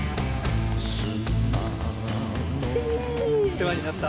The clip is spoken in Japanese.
世話になった。